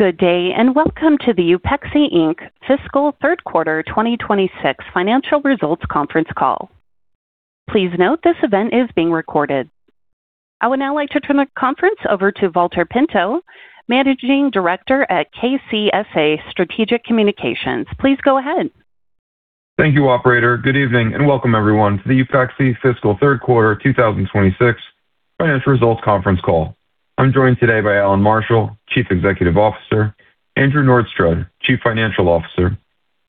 Good day, and welcome to the Upexi, Inc. fiscal third quarter 2026 financial results conference call. Please note this event is being recorded. I would now like to turn the conference over to Valter Pinto, Managing Director at KCSA Strategic Communications. Please go ahead. Thank you, operator. Good evening, and welcome everyone to the Upexi fiscal third quarter 2026 financial results conference call. I'm joined today by Allan Marshall, Chief Executive Officer, Andrew Norstrud, Chief Financial Officer,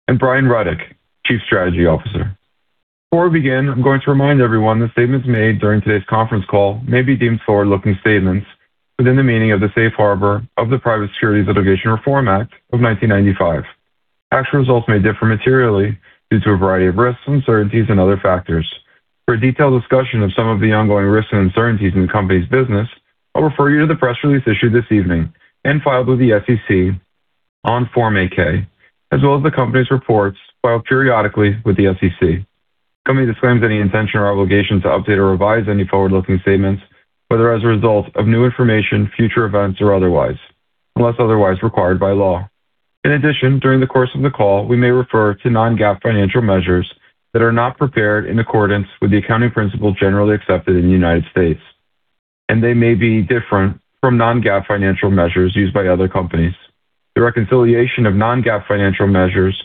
and Brian Rudick, Chief Strategy Officer. Before we begin, I'm going to remind everyone that statements made during today's conference call may be deemed forward-looking statements within the meaning of the safe harbor of the Private Securities Litigation Reform Act of 1995. Actual results may differ materially due to a variety of risks, uncertainties, and other factors. For a detailed discussion of some of the ongoing risks and uncertainties in the company's business, I'll refer you to the press release issued this evening and filed with the SEC on Form 8-K, as well as the company's reports filed periodically with the SEC. The company disclaims any intention or obligation to update or revise any forward-looking statements, whether as a result of new information, future events, or otherwise, unless otherwise required by law. In addition, during the course of the call, we may refer to non-GAAP financial measures that are not prepared in accordance with the accounting principle generally accepted in the U.S., and they may be different from non-GAAP financial measures used by other companies. The reconciliation of non-GAAP financial measures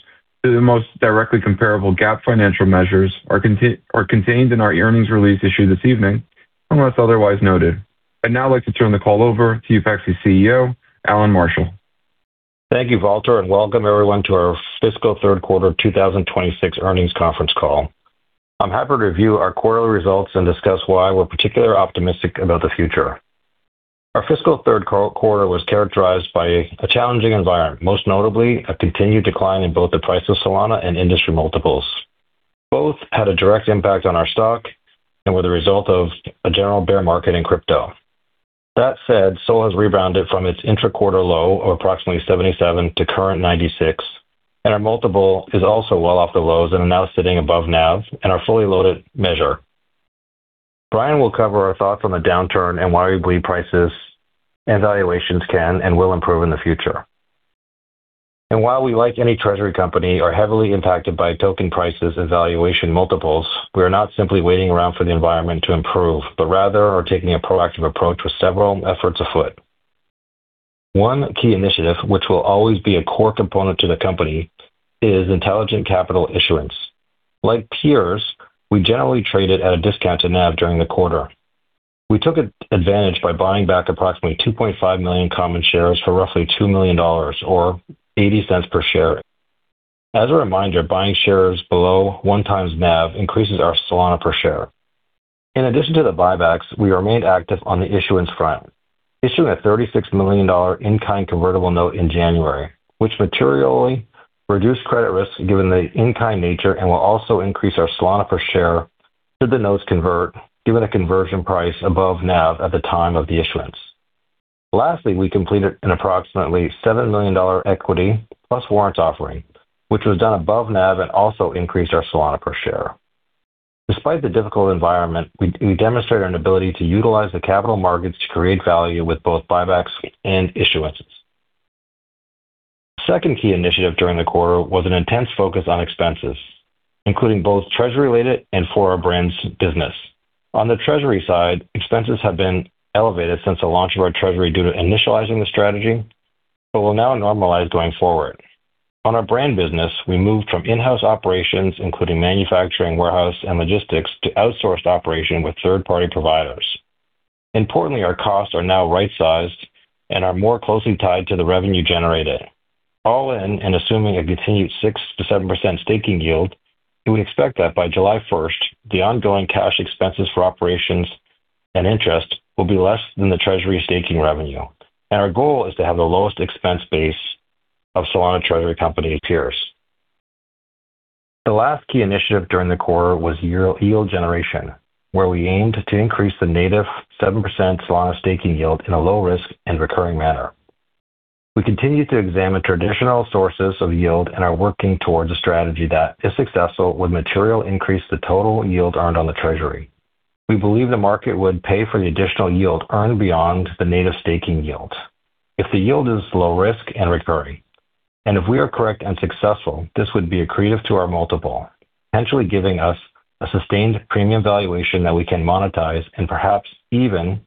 to the most directly comparable GAAP financial measures are contained in our earnings release issued this evening, unless otherwise noted. I'd now like to turn the call over to Upexi CEO, Allan Marshall. Thank you, Valter, and welcome everyone to our fiscal third quarter 2026 earnings conference call. I'm happy to review our quarterly results and discuss why we're particularly optimistic about the future. Our fiscal third quarter was characterized by a challenging environment, most notably a continued decline in both the price of Solana and industry multiples. Both had a direct impact on our stock and were the result of a general bear market in crypto. That said, SOL has rebounded from its intra-quarter low of approximately $77 to current $96, and our multiple is also well off the lows and are now sitting above NAV and our fully-loaded measure. Brian will cover our thoughts on the downturn and why we believe prices and valuations can and will improve in the future. While we, like any treasury company, are heavily impacted by token prices and valuation multiples, we are not simply waiting around for the environment to improve, but rather are taking a proactive approach with several efforts afoot. One key initiative, which will always be a core component to the company, is intelligent capital issuance. Like peers, we generally traded at a discount to NAV during the quarter. We took advantage by buying back approximately 2.5 million common shares for roughly $2 million or $0.80 per share. As a reminder, buying shares below 1x NAV increases our Solana per share. In addition to the buybacks, we remained active on the issuance front, issuing a $36 million in-kind convertible note in January, which materially reduced credit risk given the in-kind nature and will also increase our Solana per share should the notes convert, given a conversion price above NAV at the time of the issuance. We completed an approximately $7 million equity plus warrants offering, which was done above NAV and also increased our Solana per share. Despite the difficult environment, we demonstrated an ability to utilize the capital markets to create value with both buybacks and issuances. Second key initiative during the quarter was an intense focus on expenses, including both treasury-related and for our brands business. On the treasury side, expenses have been elevated since the launch of our treasury due to initializing the strategy, but will now normalize going forward. On our brand business, we moved from in-house operations, including manufacturing, warehouse, and logistics, to outsourced operation with third-party providers. Importantly, our costs are now right-sized and are more closely tied to the revenue generated. All in, and assuming a continued 6%-7% staking yield, we expect that by July 1st, the ongoing cash expenses for operations and interest will be less than the treasury staking revenue. Our goal is to have the lowest expense base of Solana treasury company peers. The last key initiative during the quarter was yield generation, where we aimed to increase the native 7% Solana staking yield in a low risk and recurring manner. We continue to examine traditional sources of yield and are working towards a strategy that, if successful, would materially increase the total yield earned on the treasury. We believe the market would pay for the additional yield earned beyond the native staking yield if the yield is low risk and recurring. If we are correct and successful, this would be accretive to our multiple, potentially giving us a sustained premium valuation that we can monetize and perhaps even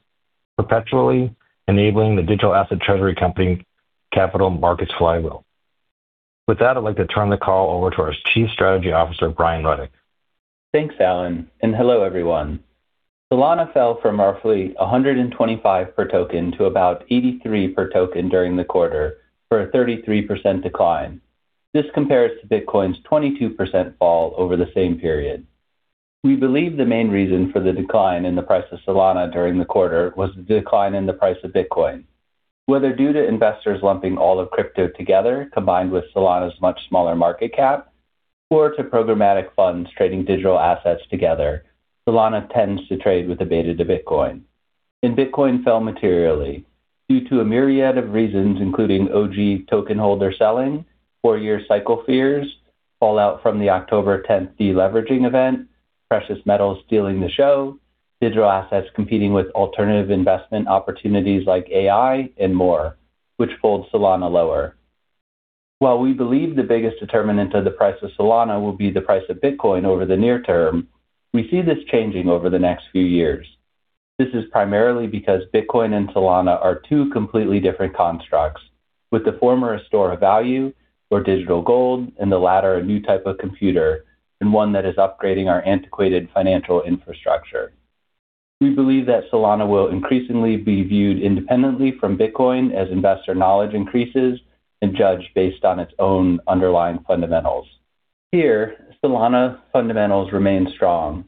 perpetually enabling the digital asset treasury company capital markets flywheel. With that, I'd like to turn the call over to our Chief Strategy Officer, Brian Rudick. Thanks, Allan. Hello, everyone. Solana fell from roughly $125 per token to about $83 per token during the quarter for a 33% decline. This compares to Bitcoin's 22% fall over the same period. We believe the main reason for the decline in the price of Solana during the quarter was the decline in the price of Bitcoin. Whether due to investors lumping all of crypto together, combined with Solana's much smaller market cap or to programmatic funds trading digital assets together, Solana tends to trade with the beta to Bitcoin. Bitcoin fell materially due to a myriad of reasons, including OG token holder selling, four-year cycle fears, fallout from the October 10th deleveraging event. Precious metals stealing the show, digital assets competing with alternative investment opportunities like AI and more, which pulled Solana lower. While we believe the biggest determinant of the price of Solana will be the price of Bitcoin over the near-term, we see this changing over the next few years. This is primarily because Bitcoin and Solana are two completely different constructs, with the former a store of value or digital gold, and the latter a new type of computer, and one that is upgrading our antiquated financial infrastructure. We believe that Solana will increasingly be viewed independently from Bitcoin as investor knowledge increases and judged based on its own underlying fundamentals. Here, Solana fundamentals remain strong.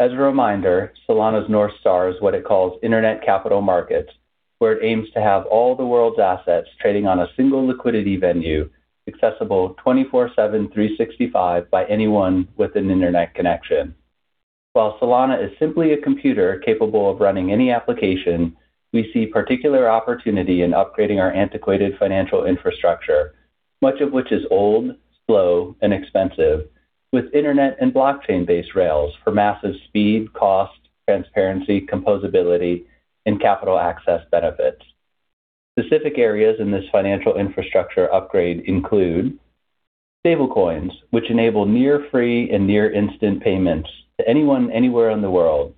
As a reminder, Solana's North Star is what it calls Internet Capital Markets, where it aims to have all the world's assets trading on a single liquidity venue accessible 24/7, 365 days by anyone with an internet connection. While Solana is simply a computer capable of running any application, we see particular opportunity in upgrading our antiquated financial infrastructure, much of which is old, slow, and expensive, with internet and blockchain-based rails for massive speed, cost, transparency, composability, and capital access benefits. Specific areas in this financial infrastructure upgrade include stablecoins, which enable near-free and near-instant payments to anyone, anywhere in the world.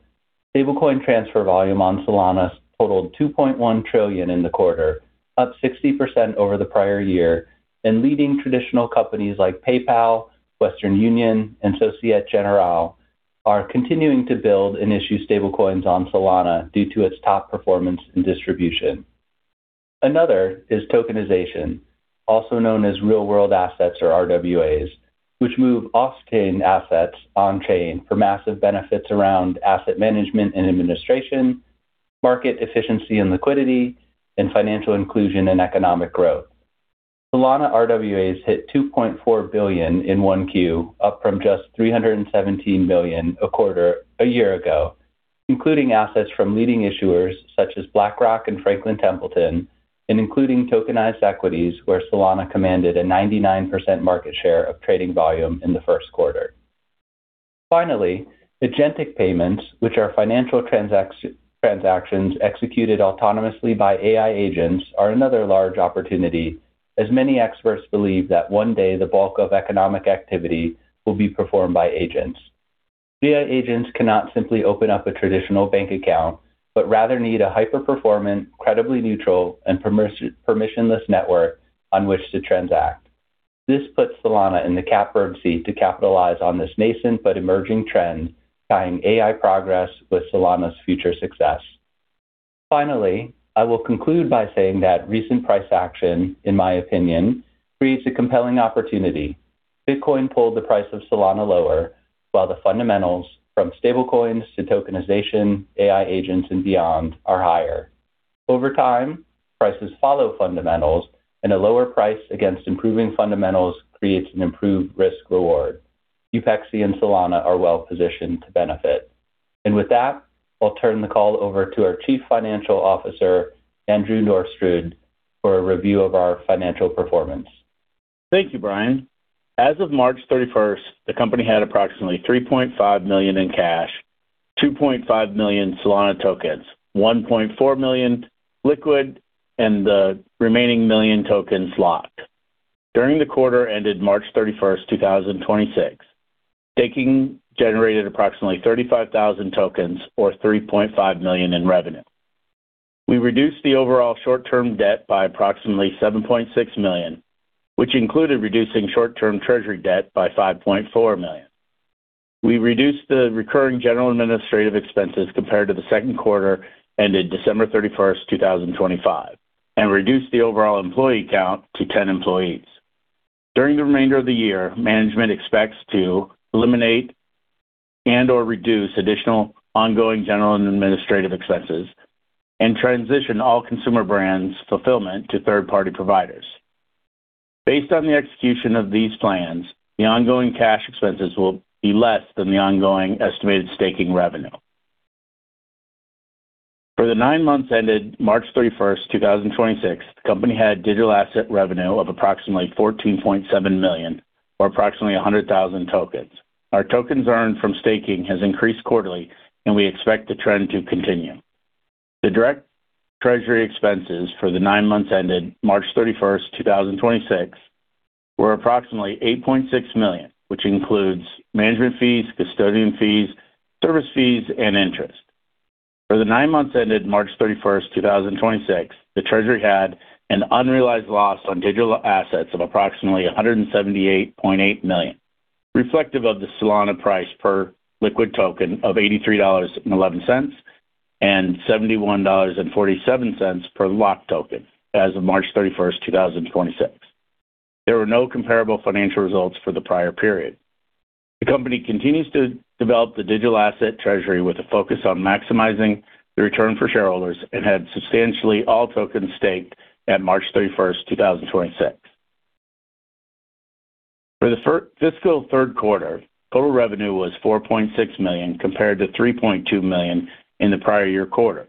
Stablecoin transfer volume on Solana totaled $2.1 trillion in the quarter, up 60% over the prior year, and leading traditional companies like PayPal, Western Union, and Société Générale are continuing to build and issue stablecoins on Solana due to its top performance and distribution. Another is tokenization, also known as Real-World Assets or RWAs, which move off-chain assets on-chain for massive benefits around asset management and administration, market efficiency and liquidity, and financial inclusion and economic growth. Solana RWAs hit $2.4 billion in 1Q, up from just $317 million a quarter a year ago, including assets from leading issuers such as BlackRock and Franklin Templeton, and including tokenized equities where Solana commanded a 99% market share of trading volume in the first quarter. Agentic payments, which are financial transactions executed autonomously by AI agents, are another large opportunity, as many experts believe that one day the bulk of economic activity will be performed by agents. AI agents cannot simply open up a traditional bank account, rather need a hyper-performant, credibly neutral, and permissionless network on which to transact. This puts Solana in the catbird seat to capitalize on this nascent but emerging trend, tying AI progress with Solana's future success. I will conclude by saying that recent price action, in my opinion, creates a compelling opportunity. Bitcoin pulled the price of Solana lower, while the fundamentals from stablecoins to tokenization, AI agents, and beyond are higher. Over time, prices follow fundamentals, and a lower price against improving fundamentals creates an improved risk-reward. Upexi and Solana are well-positioned to benefit. With that, I'll turn the call over to our Chief Financial Officer, Andrew Norstrud, for a review of our financial performance. Thank you, Brian. As of March 31st, the company had approximately $3.5 million in cash, 2.5 million Solana tokens, 1.4 million liquid, and the remaining 1 million tokens locked. During the quarter ended March 31st, 2026, staking generated approximately 35,000 tokens or $3.5 million in revenue. We reduced the overall short-term debt by approximately $7.6 million, which included reducing short-term treasury debt by $5.4 million. We reduced the recurring general administrative expenses compared to the second quarter ended December 31st, 2025, and reduced the overall employee count to 10 employees. During the remainder of the year, management expects to eliminate and/or reduce additional ongoing general and administrative expenses and transition all consumer brands fulfillment to third-party providers. Based on the execution of these plans, the ongoing cash expenses will be less than the ongoing estimated staking revenue. For the nine months ended March 31st, 2026, the company had digital asset revenue of approximately $14.7 million or approximately 100,000 tokens. Our tokens earned from staking has increased quarterly, and we expect the trend to continue. The direct treasury expenses for the nine months ended March 31st, 2026, were approximately $8.6 million, which includes management fees, custodian fees, service fees, and interest. For the nine months ended March 31st, 2026, the treasury had an unrealized loss on digital assets of approximately $178.8 million, reflective of the Solana price per liquid token of $83.11, and $71.47 per locked token as of March 31st, 2026. There were no comparable financial results for the prior period. The company continues to develop the digital asset treasury with a focus on maximizing the return for shareholders and had substantially all tokens staked at March 31st, 2026. For the fiscal third quarter, total revenue was $4.6 million, compared to $3.2 million in the prior year quarter.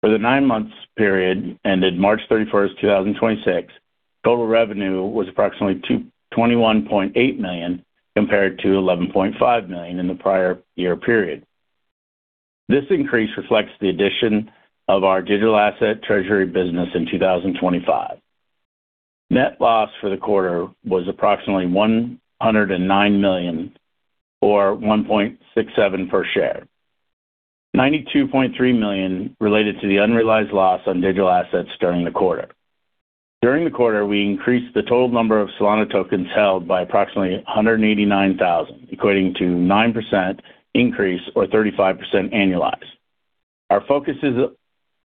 For the nine months period ended March 31st, 2026, total revenue was approximately $21.8 million compared to $11.5 million in the prior year period. This increase reflects the addition of our digital asset treasury business in 2025. Net loss for the quarter was approximately $109 million or $1.67 per share. $92.3 million related to the unrealized loss on digital assets during the quarter. During the quarter, we increased the total number of Solana tokens held by approximately 189,000, equating to 9% increase or 35% annualized. Our focus is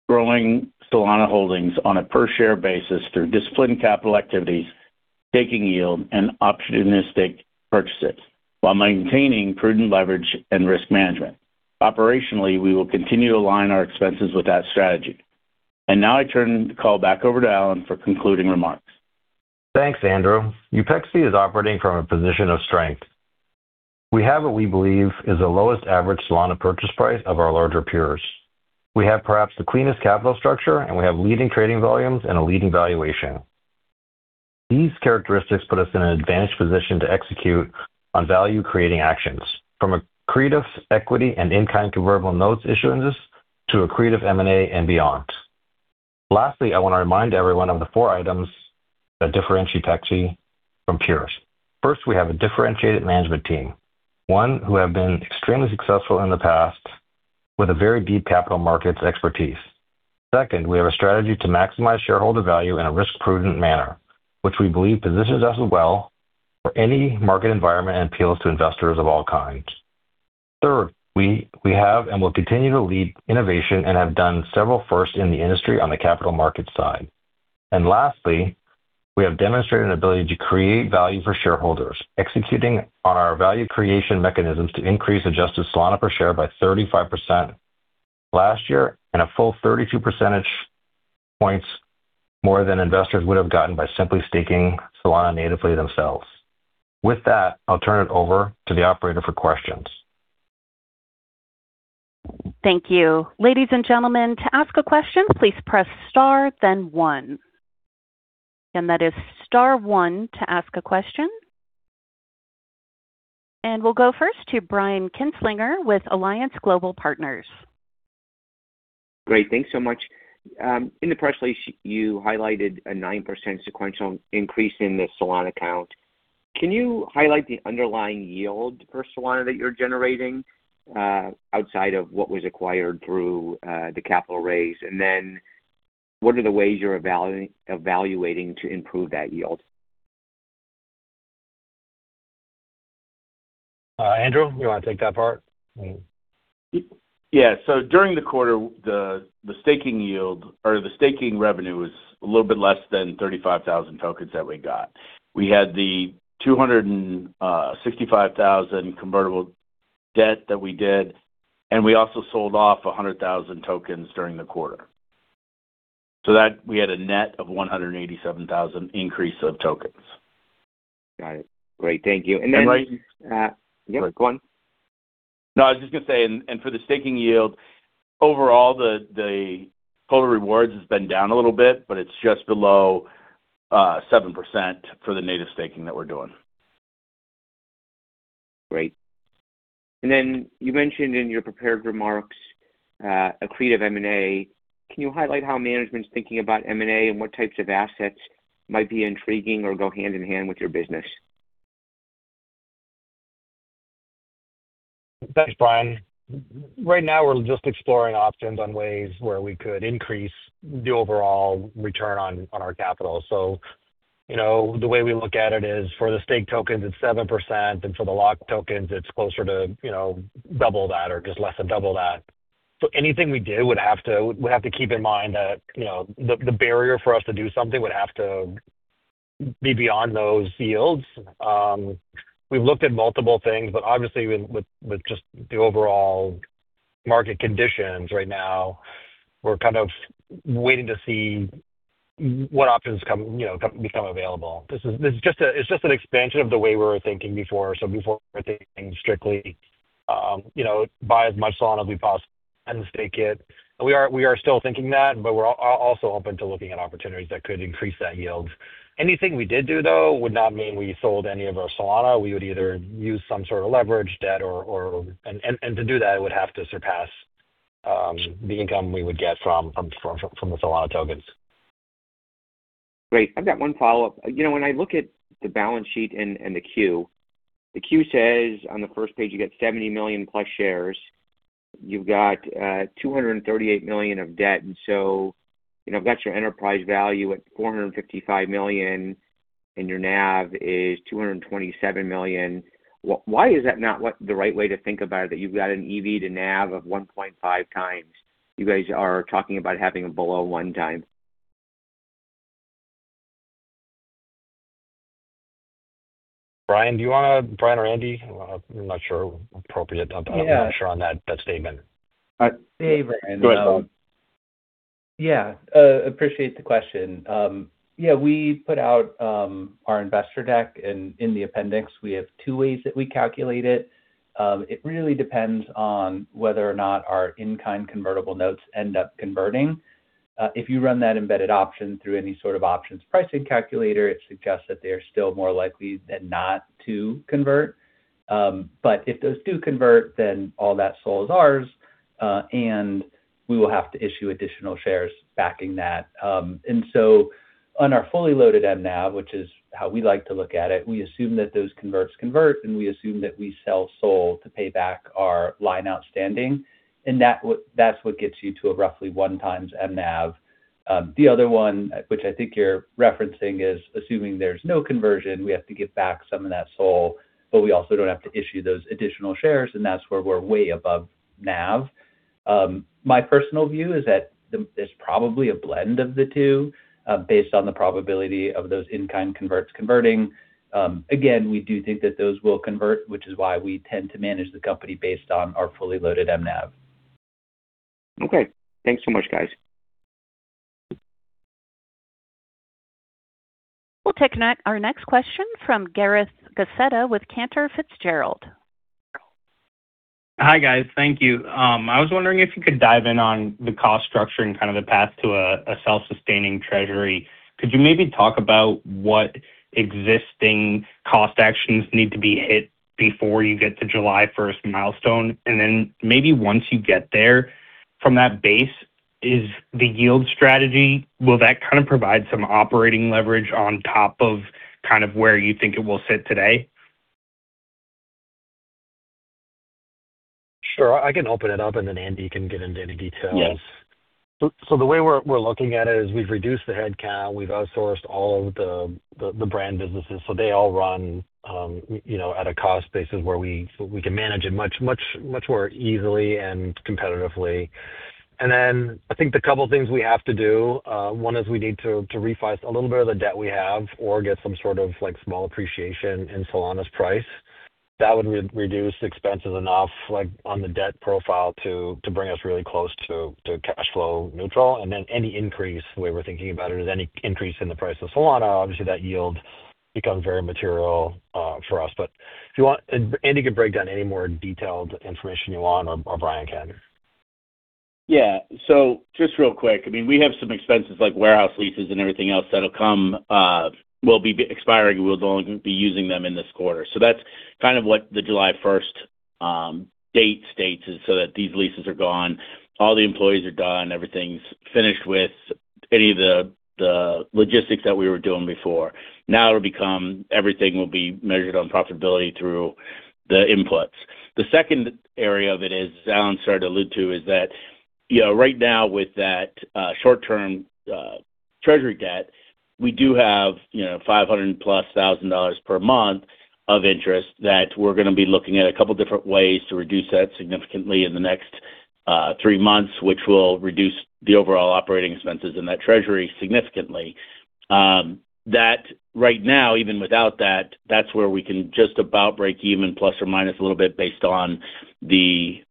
growing Solana holdings on a per share basis through disciplined capital activities, staking yield, and opportunistic purchases while maintaining prudent leverage and risk management. Operationally, we will continue to align our expenses with that strategy. Now I turn the call back over to Allan for concluding remarks. Thanks, Andrew. Upexi is operating from a position of strength. We have what we believe is the lowest average Solana purchase price of our larger peers. We have perhaps the cleanest capital structure, and we have leading trading volumes and a leading valuation. These characteristics put us in an advantaged position to execute on value-creating actions from accretive equity and in-kind convertible notes issuances to accretive M&A and beyond. Lastly, I want to remind everyone of the four items that differentiate Upexi from peers. First, we have a differentiated management team, one who have been extremely successful in the past with a very deep capital markets expertise. Second, we have a strategy to maximize shareholder value in a risk-prudent manner, which we believe positions us well for any market environment and appeals to investors of all kinds. Third, we have and will continue to lead innovation and have done several firsts in the industry on the capital market side. Lastly, we have demonstrated an ability to create value for shareholders, executing our value creation mechanisms to increase adjusted Solana per share by 35% last year and a full 32 percentage points more than investors would have gotten by simply staking Solana natively themselves. With that, I'll turn it over to the operator for questions. Thank you. Ladies and gentlemen, to ask a question, please press star then one. That is star one to ask a question. We'll go first to Brian Kinstlinger with Alliance Global Partners. Great. Thanks so much. In the press release, you highlighted a 9% sequential increase in the Solana count. Can you highlight the underlying yield for Solana that you're generating, outside of what was acquired through the capital raise? What are the ways you're evaluating to improve that yield? Andrew, you wanna take that part? Yeah. During the quarter, the staking yield or the staking revenue was a little bit less than 35,000 tokens that we got. We had the $265,000 convertible debt that we did, and we also sold off 100,000 tokens during the quarter. We had a net of 187,000 increase of tokens. Got it. Great. Thank you. And then- And then, uh- Go on. Yeah, go on. No, I was just gonna say, and for the staking yield, overall the total rewards has been down a little bit, but it's just below 7% for the native staking that we're doing. Great. Then you mentioned in your prepared remarks, accretive M&A. Can you highlight how management's thinking about M&A and what types of assets might be intriguing or go hand in hand with your business? Thanks, Brian. Right now, we're just exploring options on ways where we could increase the overall return on our capital. You know, the way we look at it is for the staked tokens, it's 7%, and for the locked tokens, it's closer to, you know, double that or just less than double that. Anything we do would have to keep in mind that, you know, the barrier for us to do something would have to be beyond those yields. We've looked at multiple things, but obviously with just the overall market conditions right now, we're kind of waiting to see what options come become available. This is just an expansion of the way we were thinking before. Before we were thinking strictly, you know, buy as much Solana as we possibly can and stake it. We are still thinking that, but we're also open to looking at opportunities that could increase that yield. Anything we did do, though, would not mean we sold any of our Solana. We would either use some sort of leverage or debt. To do that, it would have to surpass the income we would get from the Solana tokens. Great. I've got one follow-up. You know, when I look at the balance sheet and the Q says on the first page, you get 70 million plus shares. You've got $238 million of debt. You know, I've got your enterprise value at $455 million, and your NAV is $227 million. Why is that not what the right way to think about it, that you've got an EV to NAV of 1.5x? You guys are talking about having it below 1x. Brian, do you wanna Brian or Andy? I'm not sure appropriate. Yeah. I'm not sure on that statement. I- Yeah, but- Go ahead, Brian. Appreciate the question. We put out our investor deck and in the appendix we have two ways that we calculate it. It really depends on whether or not our in-kind convertible notes end up converting. If you run that embedded option through any sort of options pricing calculator, it suggests that they are still more likely than not to convert. If those do convert, then all that SOL is ours, and we will have to issue additional shares backing that. On our fully-loaded NAV, which is how we like to look at it, we assume that those converts convert and we assume that we sell SOL to pay back our line outstanding, and that's what gets you to a roughly 1x NAV. The other one, which I think you're referencing, is assuming there's no conversion, we have to give back some of that SOL, but we also don't have to issue those additional shares, and that's where we're way above NAV. My personal view is that there's probably a blend of the two, based on the probability of those in-kind converts converting. Again, we do think that those will convert, which is why we tend to manage the company based on our fully-loaded NAV. Okay. Thanks so much, guys. We'll take our next question from Gareth Gacetta with Cantor Fitzgerald. Hi, guys. Thank you. I was wondering if you could dive in on the cost structure and kind of the path to a self-sustaining treasury. Could you maybe talk about what existing cost actions need to be hit before you get to July 1st milestone? Maybe once you get there, from that base, is the yield strategy, will that kind of provide some operating leverage on top of kind of where you think it will sit today? Sure. I can open it up, and then Andy can get into any details. Yes. The way we're looking at it is we've reduced the headcount, we've outsourced all of the brand businesses, so they all run, you know, at a cost basis where we, so we can manage it much more easily and competitively. I think the couple things we have to do, one is we need to refi a little bit of the debt we have or get some sort of like small appreciation in Solana's price. That would re-reduce expenses enough, like on the debt profile to bring us really close to cash flow neutral. Any increase, the way we're thinking about it, is any increase in the price of Solana, obviously that yield becomes very material for us. If you want Andy can break down any more detailed information you want or Brian can. Just real quick, I mean, we have some expenses like warehouse leases and everything else that'll come, will be expiring. We'll no longer be using them in this quarter. That's kind of what the July 1st date states, so that these leases are gone, all the employees are gone, everything's finished with any of the logistics that we were doing before. Now it'll become everything will be measured on profitability through the inputs. The second area of it is, as Allan started to allude to, is that, you know, right now with that short-term treasury debt, we do have, you know, $500,000+ per month of interest that we're gonna be looking at a couple different ways to reduce that significantly in the next three months, which will reduce the overall operating expenses in that treasury significantly. That right now, even without that's where we can just about break even ± a little bit based on the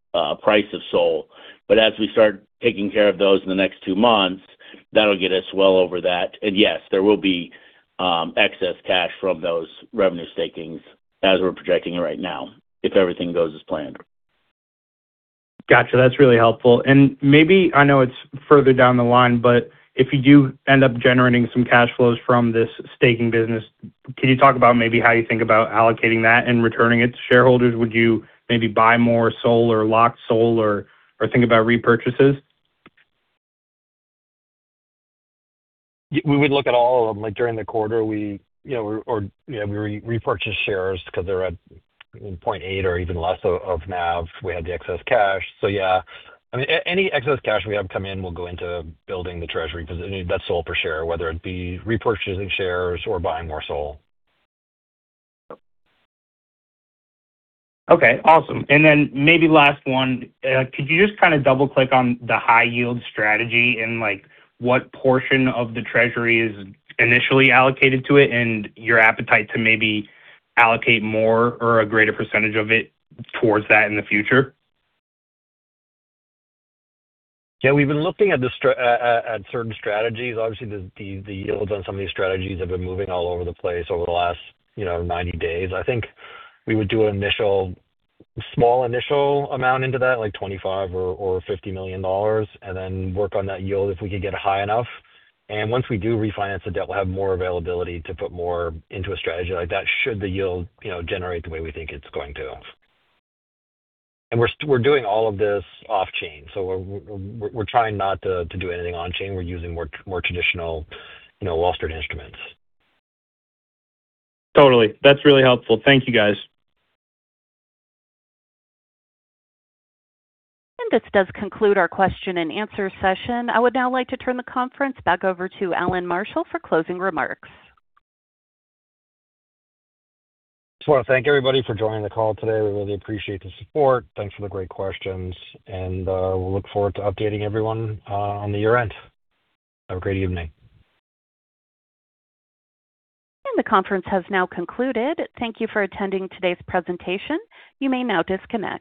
price of SOL. As we start taking care of those in the next two months, that'll get us well over that. Yes, there will be excess cash from those revenue stakings as we're projecting right now, if everything goes as planned. Gotcha. That's really helpful. Maybe, I know it's further down the line, but if you do end up generating some cash flows from this staking business, can you talk about maybe how you think about allocating that and returning it to shareholders? Would you maybe buy more SOL or lock SOL or think about repurchases? We would look at all of them. Like during the quarter we, you know, or, you know, we repurchase shares 'cause they're at 0.8 or even less of NAV. We had the excess cash. Yeah. I mean, any excess cash we have come in will go into building the treasury 'cause, I mean, that's SOL per share, whether it be repurchasing shares or buying more SOL. Okay, awesome. Then maybe last one. Could you just kinda double-click on the high yield strategy and like what portion of the treasury is initially allocated to it and your appetite to maybe allocate more or a greater percentage of it towards that in the future? Yeah. We've been looking at certain strategies. Obviously, the yields on some of these strategies have been moving all over the place over the last, you know, 90 days. I think we would do an initial, small initial amount into that, like $25 million or $50 million, and then work on that yield if we could get it high enough. Once we do refinance the debt, we'll have more availability to put more into a strategy like that should the yield, you know, generate the way we think it's going to. We're doing all of this off chain. We're trying not to do anything on chain. We're using more traditional, you know, Wall Street instruments. Totally. That's really helpful. Thank you, guys. This does conclude our question and answer session. I would now like to turn the conference back over to Allan Marshall for closing remarks. Just wanna thank everybody for joining the call today. We really appreciate the support. Thanks for the great questions, and we'll look forward to updating everyone on the year-end. Have a great evening. And the conference has now concluded. Thank you for attending today's presentation. You may now disconnect.